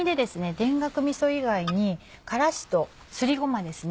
田楽みそ以外に辛子とすりごまですね。